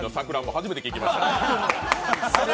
初めて聞きましたね。